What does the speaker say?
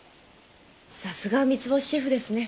さすがは三ツ星シェフですね。